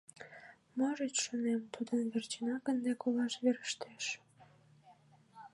Можыч, шонем, тудын верчынак ынде колаш верештеш?